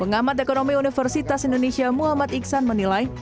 pengamat ekonomi universitas indonesia muhammad iksan menilai